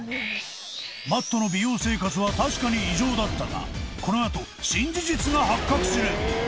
Ｍａｔｔ の美容生活は確かに異常だったがこのあと新事実が発覚する